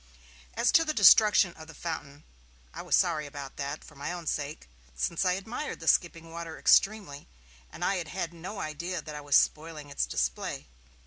As to the destruction of the fountain, I was sorry about that, for my own sake, since I admired the skipping water extremely and had had no idea that I was spoiling its display.